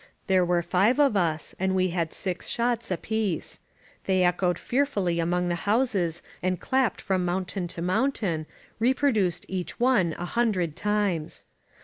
There were five of us, and we had six shots apiece. They echoed fearfully among the houses and clapped from mountain to mountain, reproduced each one a hundred times.